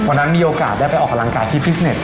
มีโอกาสได้ไปออกกำลังกายที่ฟิสเน็ต